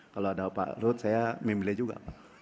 kalau ada pak luhut saya memilih juga